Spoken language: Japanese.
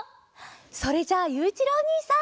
それじゃあゆういちろうおにいさん！